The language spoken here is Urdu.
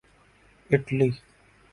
اٹلی